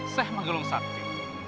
seh magelung sakti